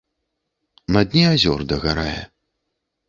На дне азёр дагарае.